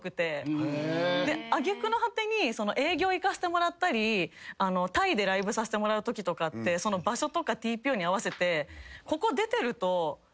揚げ句の果てに営業行かせてもらったりタイでライブさせてもらうときとかって場所とかＴＰＯに合わせて。